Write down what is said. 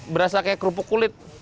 berasa seperti kerupuk kulit